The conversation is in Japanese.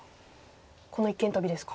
この一間トビですか。